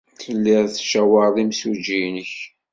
Tellid tettcawaṛed imsujji-nnek.